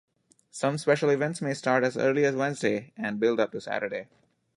Some special events may start as early as Wednesday and build up to Saturday.